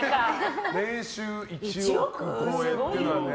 年収１億超えっていうね。